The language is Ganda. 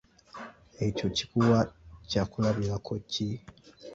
Ekyo kikuwa kyakulabirako ki?